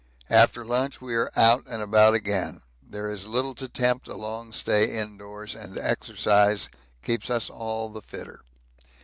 After lunch we are out and about again; there is little to tempt a long stay indoors and exercise keeps us all the fitter.